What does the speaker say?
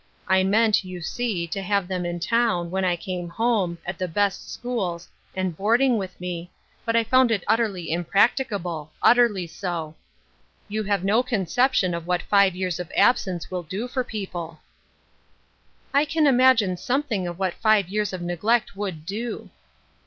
I meant, you see, to have them in town, when I came home, at the best schools, and boarding with me, but I found it utterly impracticable — utterly so. You have no conception of what five years of absence will do fcr people." 262 Ruth J^skine's Crosses, " I can imagine something of what five years of neglect would do."